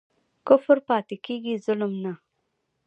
کفر پاتی کیږي ظلم نه